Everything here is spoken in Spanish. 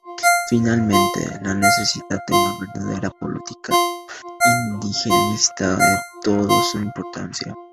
Finalmente, la necesidad de una verdadera política indigenista en toda su importancia.